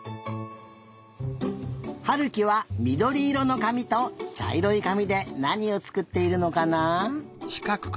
悠貴はみどりいろのかみとちゃいろいかみでなにをつくっているのかな？